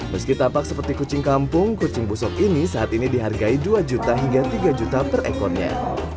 meski tampak seperti kucing kampung kucing busuk ini saat ini dihargai dua juta hingga tiga juta per ekornya